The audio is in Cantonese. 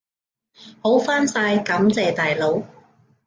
好返晒，感謝大佬！